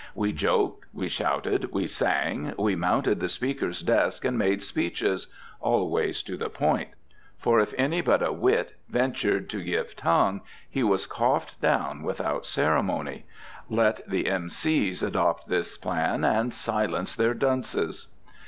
We joked, we shouted, we sang, we mounted the Speaker's desk and made speeches, always to the point; for if any but a wit ventured to give tongue, he was coughed down without ceremony. Let the M.C.s adopt this plan and silence their dunces.